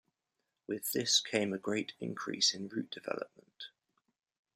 With this came a great increase in route development.